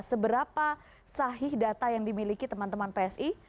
seberapa sahih data yang dimiliki teman teman psi